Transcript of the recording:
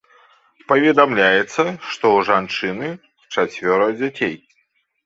Паведамляецца, што ў жанчыны чацвёра дзяцей.